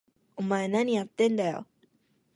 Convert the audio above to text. お前、なにやってんだよ！？